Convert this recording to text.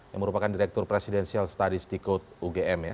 yang merupakan direktur presidensial studies di kod ugm ya